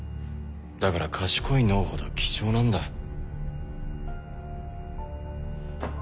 だから賢い脳ほど貴重なんだ。